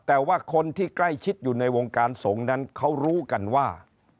แต่ว่าคนที่ใกล้ชิดอยู่ในวงการสงฆ์นั้นเขารู้กันว่า